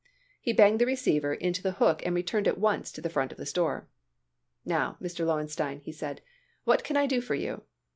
He banged the receiver onto the hook and returned at once to the front of the store. "Now, Mr. Lowenstein," he said, "what can I do for you?"